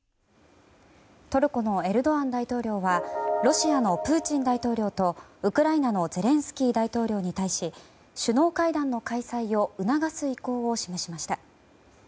トルコのエルドアン大統領はロシアのプーチン大統領とウクライナのゼレンスキー大統領に対し首脳会談の開催を促す意向を示しました。